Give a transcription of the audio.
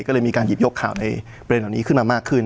ก็เลยมีการหยิบยกข่าวในประเด็นเหล่านี้ขึ้นมามากขึ้น